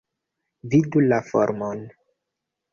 Vidu la formon.